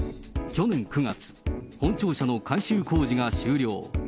去年９月、本庁舎の改修工事が終了。